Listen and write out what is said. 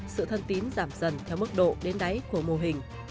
sự thân tín giảm dần theo mức độ đến đáy của mô hình